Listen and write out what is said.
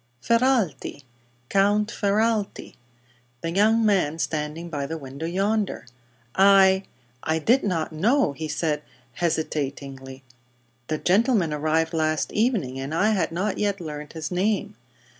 "Ferralti Count Ferralti. The young man standing by the window, yonder." "I I did not know," he said, hesitatingly. "The gentleman arrived last evening, and I had not yet learned his name.